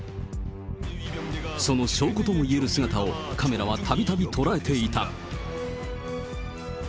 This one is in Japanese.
その証拠ともいえる姿を、カメラはたびたび捉えていた。